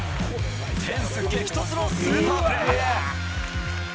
フェンス激突のスーパープレー。